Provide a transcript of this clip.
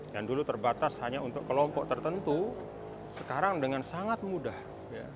yang dulu terbatas hanya untuk kelompok tertentu sekarang dengan sangat mudah